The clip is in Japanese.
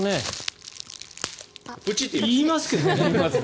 言いますけどね。